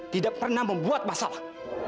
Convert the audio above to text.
tidak pernah membuat masalah